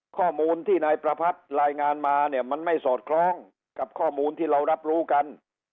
ข้อมูลที่นายประพัทธ์รายงานมาเนี่ยมันไม่สอดคล้องกับข้อมูลที่เรารับรู้กัน